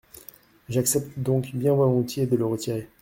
J’accepte donc bien volontiers de le retirer.